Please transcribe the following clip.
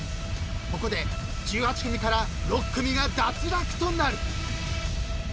［ここで１８組から６組が脱落となる］